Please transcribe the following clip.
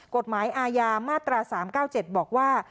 กฎหมายอาญามาตรา๓๙๗บอกว่า